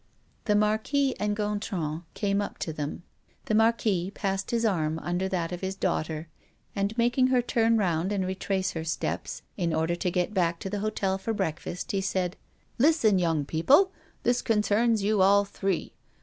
The Marquis and Gontran came up to them. The Marquis passed his arm under that of his daughter, and, making her turn round and retrace her steps, in order to get back to the hotel for breakfast, he said: "Listen, young people! this concerns you all three.